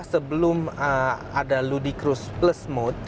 sebelum ada ludicruz plus mode